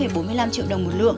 người việt nam